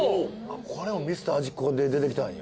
これも『ミスター味っ子』で出てきたんや。